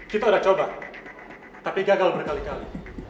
kita sudah coba tapi gagal berkali kali